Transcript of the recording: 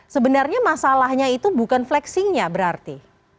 sebenarnya masalahnya itu bukan flexingnya berarti